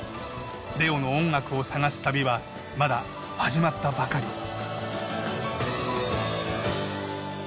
ＬＥＯの音楽を探す旅はまだ始まったばかり。